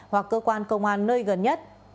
hoặc cơ quan công an nơi gần nhất